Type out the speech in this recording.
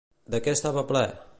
De què estava ple?